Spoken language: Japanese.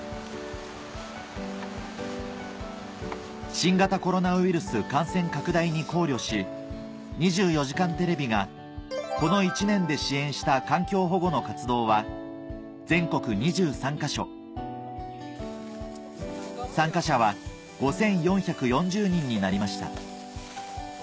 新型コロナウイルス感染拡大に考慮し『２４時間テレビ』がこの１年で支援した環境保護の活動は全国２３か所参加者は５４４０人になりました